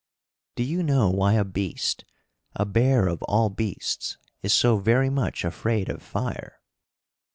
Do you know why a beast, a bear of all beasts, is so very much afraid of fire?